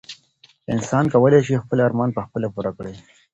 انسان کولای شي خپل ارمان په خپله پوره کړي.